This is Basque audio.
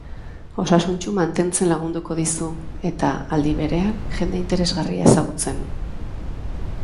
Osasuntsu mantentzen lagunduko dizu, eta, aldi berean, jende interesgarria ezagutzen.